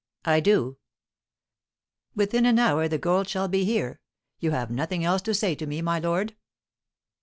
"I do." "Within an hour the gold shall be here. You have nothing else to say to me, my lord?"